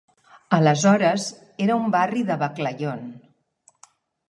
Aleshores, era un barri de Baclayon.